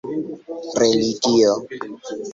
religio